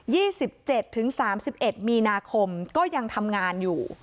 สิบเจ็ดถึงสามสิบเอ็ดมีนาคมก็ยังทำงานอยู่